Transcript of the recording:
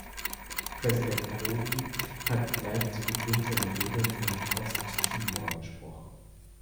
Präsident Prodi hat gleich zu Beginn seiner Rede von Ost-Timor gesprochen.